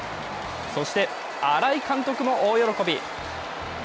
そして、新井監督も大喜び！